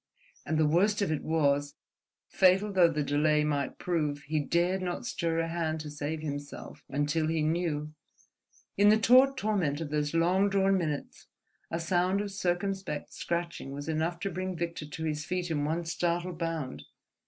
And the worst of it was, fatal though the delay might prove, he dared not stir a hand to save himself until he knew.... In the taut torment of those long drawn minutes a sound of circumspect scratching was enough to bring Victor to his feet in one startled bound.